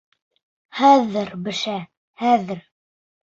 Хәҙер бешә, хәҙер!